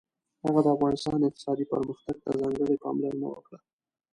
هغه د افغانستان اقتصادي پرمختګ ته ځانګړې پاملرنه وکړه.